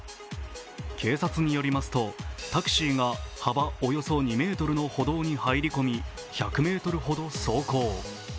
警察によりますと、タクシーが幅およそ２ｍの歩道に入り込み、１００ｍほど走行。